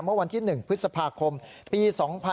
เมื่อวันที่๑พฤษภาคมปี๒๕๖๒